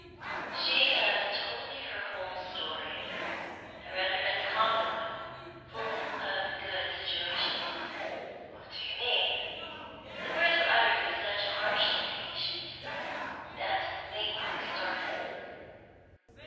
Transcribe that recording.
"She has told me her whole story a rather uncommon one, full of good situations." "What do you mean?" The words were uttered with such harsh impatience that Waymark started.